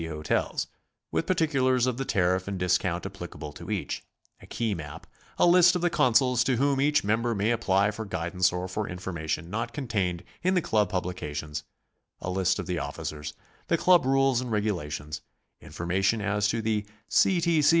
hotels, with particulars of the tariff and discount applicable to each; a key map; a list of the Consuls to whom each mem ber may apply for guidance or for information not contained in the Club publications; a list of the officers; the Club Rules and Regulations; information as to the C. T.